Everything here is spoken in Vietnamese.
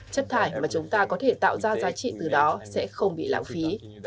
chất thải mà chúng ta có thể tạo ra giá trị từ đó sẽ không bị lãng phí